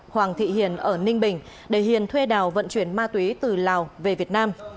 hoàng thị hiền ở ninh bình để hiền thuê đào vận chuyển ma túy từ lào về việt nam